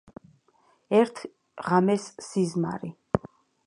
ერთ ღამეს სიზმარი